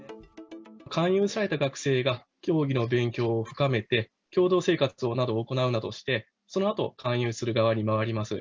勧誘された学生が、教義の勉強を深めて、共同生活などを行うなどして、そのあと、勧誘する側に回ります。